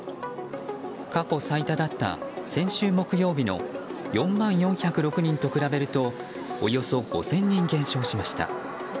過去最多だった先週木曜日の４万４０６人と比べるとおよそ５０００人減少しました。